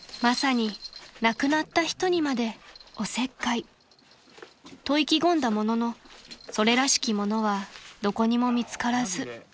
［まさに亡くなった人にまでおせっかいと意気込んだもののそれらしきものはどこにも見つからず］